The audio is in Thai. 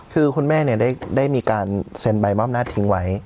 คือคุณแม่ได้มีการเซ็นใบมอบหน้าทิ้งไว้